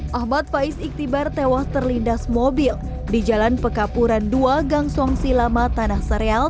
hai ahmad faiz iktibar tewas terlindas mobil di jalan pekapuran dua gangsong silama tanah sereal